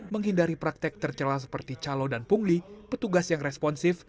menghindari praktek tercelah seperti calo dan pungli petugas yang responsif